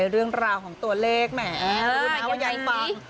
เรื่องราวของตัวเลขแหมรู้นะว่ายายฟัง